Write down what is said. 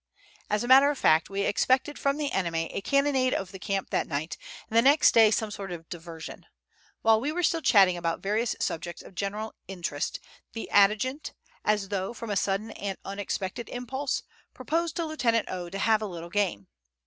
As a matter of fact, we expected from the enemy a cannonade of the camp that night, and the next day some sort of diversion. While we were still chatting about various subjects of general interest, the adjutant, as though from a sudden and unexpected impulse, proposed to Lieutenant O. to have a little game.